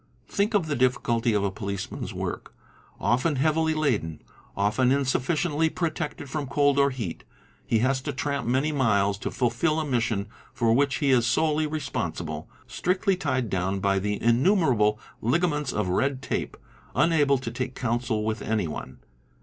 Think of he difficulty of a policeman's work: often heavily laden, often insuffi ci ently protected from cold or heat, he has to tramp many miles to fulfil & mission for which he is solely responsible, strictly tied down by the innumerable ligaments of red tape, unable to take counsel with anyone.